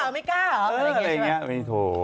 ไม่กล้าเหรออะไรอย่างนี้ไม่ถูก